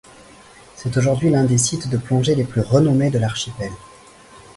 C'est aujourd'hui l'un des sites de plongée les plus renommés de l'archipel.